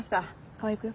川合行くよ。